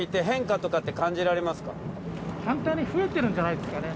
反対に増えてるんじゃないですかね。